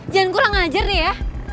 jangan gue langgajar nih ya